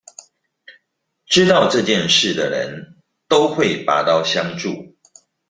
知道這件事的人都會拔刀相助